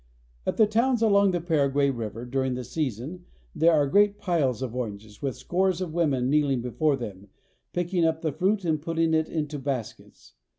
At the towns along the Paraguay river during the season there are great piles of oranges, with scores of women kneeling before them, picking up the fruit and putting it THE CHACO. 233 into baskets.